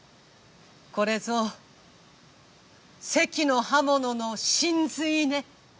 これぞ関の刃物の神髄ね。